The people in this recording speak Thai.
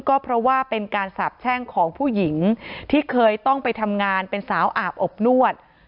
ก็เพราะว่าเป็นการสาบแช่งของผู้หญิงที่เคยต้องไปทำงานเป็นสาวอาบอบนวด